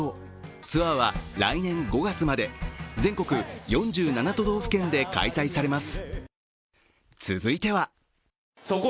ツアーは来年５月まで全国４７都道府県で開催されます。